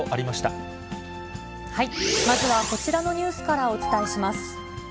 まずはこちらのニュースからお伝えします。